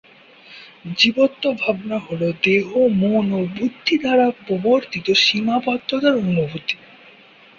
জীবত্ব-ভাবনা হল দেহ, মন ও বুদ্ধি দ্বারা প্রবর্তিত সীমাবদ্ধতার অনুভূতি।